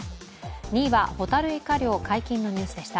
２位はホタルイカ漁解禁のニュースでした。